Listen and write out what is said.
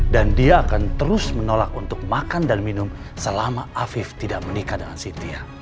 dan dia akan terus menolak untuk makan dan minum selama afif tidak menikah dengan cynthia